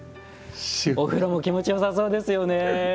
お風呂も気持ちよさそうですよね。